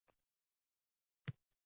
Sal qolsa bo`g`zimizdan olardi